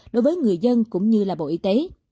đối với người dân cũng như bộ y tế